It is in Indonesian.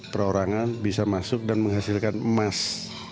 perorangan bisa masuk dan menghasilkan emas